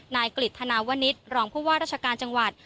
นายกฤษธนาวนิษฐ์รองผู้ว่าราชการจังหวัด